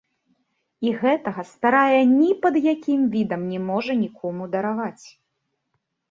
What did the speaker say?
І гэтага старая ні пад якім відам не можа нікому дараваць.